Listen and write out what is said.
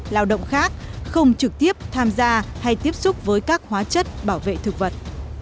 lao động khác không trực tiếp tham gia hay tiếp xúc với các hóa chất bảo vệ thực vật